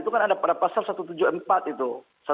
itu kan ada pada pasal satu ratus tujuh puluh empat itu